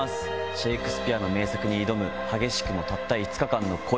シェークスピアの名作に挑む激しくもたった５日間の恋。